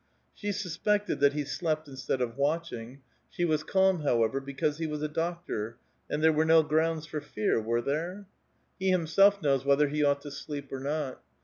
She suspected that he slept instead of watching; she was calm, however, be cause lie vfixa a doctor, and there were no grounds for fear, were there? He liimself knows whether he ought to sleep or not.